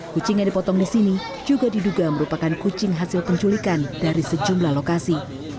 kucing yang dipotong di sini juga diduga merupakan kucing hasil penculikan dari sejumlah lokasi